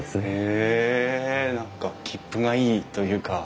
へえ何かきっぷがいいというか。